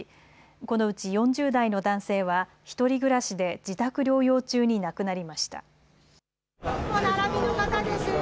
このうち４０代の男性は、１人暮らしで自宅療養中に亡くなりました。